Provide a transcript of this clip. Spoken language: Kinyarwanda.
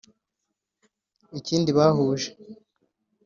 Ikindi bahuje